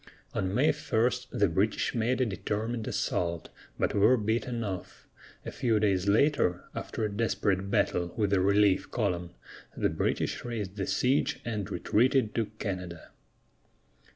On May 1 the British made a determined assault, but were beaten off; a few days later, after a desperate battle with a relief column, the British raised the siege and retreated to Canada.